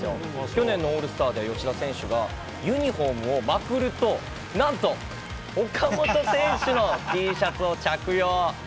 去年のオールスターで吉田選手がユニホームをまくると、なんと、岡本選手のＴシャツを着用。